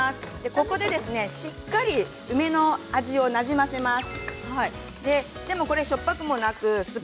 ここでしっかりと梅の味をなじませます。